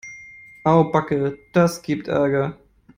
Au backe, das gibt Ärger.